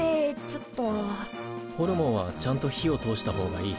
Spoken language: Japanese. ホルモンはちゃんと火を通した方がいい。